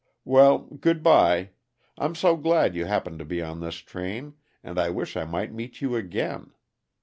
Well, good by I'm so glad you happened to be on this train, and I wish I might meet you again.